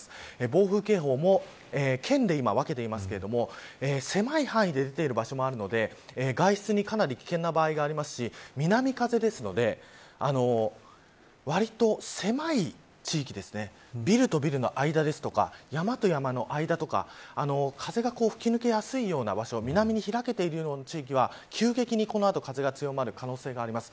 暴風警報も県で今、分けていますけれど狭い範囲で出ている場所もあるので外出にかなり危険な場合がありますし南風ですのでわりと狭い地域ビルとビルの間ですとか山と山の間とか風が吹き抜けやすいような南に開けているような地域は急激にこの後、風が強まる可能性があります。